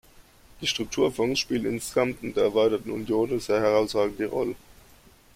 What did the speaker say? Die Strukturfonds spielen insgesamt in der erweiterten Union eine sehr herausragende Rolle.